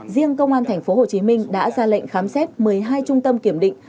riêng công an tp hcm đã ra lệnh khám xét một mươi hai trung tâm kiểm định